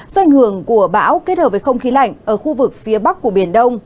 do ảnh hưởng của bão kết hợp với không khí lạnh ở khu vực phía bắc của biển đông